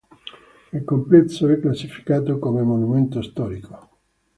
Il complesso è classificato come monumento storico.